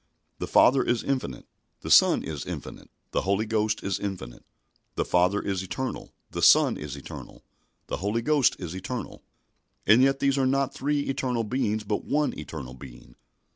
The Father is infinite, the Son is infinite, the Holy Ghost is infinite. The Father is eternal, the Son is eternal, the Holy Ghost is eternal. And yet these are not three eternal Beings but one eternal Being.